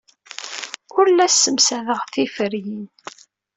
Ur la ssemsadeɣ tiferyin.